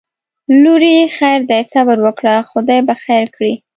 لورې خیر دی صبر وکړه خدای به خیر کړي